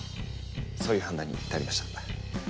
そういう判断に至りました。